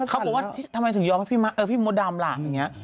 เขาบอกว่าทำไมถึงยอมให้พี่มดดำล่ะอย่างนี้